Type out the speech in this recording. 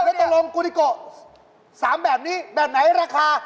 แล้วตกลงกูดิโก๓แบบนี้แบบไหนราคา